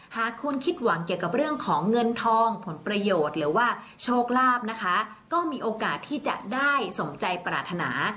หากคุณคิดหวังเกี่ยวกับเรื่องของเงินทองผลประโยชน์หรือว่าโชคลาภนะคะก็มีโอกาสที่จะได้สมใจปรารถนา